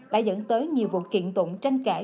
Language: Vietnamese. đã dẫn tới nhiều vụ kiện tụng tranh cãi